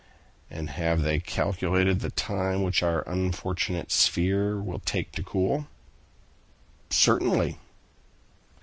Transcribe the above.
"And have they calculated the time which our unfortunate sphere will take to cool?" "Certainly."